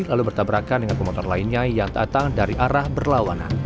lalu bertabrakan dengan pemotor lainnya yang datang dari arah berlawanan